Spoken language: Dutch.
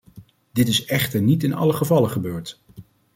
Dit is echter niet in alle gevallen gebeurd.